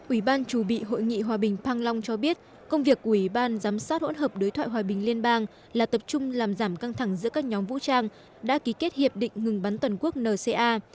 ủy ban chủ bị hội nghị hòa bình pang long cho biết công việc của ủy ban giám sát hỗn hợp đối thoại hòa bình liên bang là tập trung làm giảm căng thẳng giữa các nhóm vũ trang đã ký kết hiệp định ngừng bắn toàn quốc nca